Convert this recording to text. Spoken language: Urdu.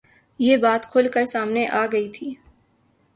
یہ بات کُھل کر سامنے آ گئی تھی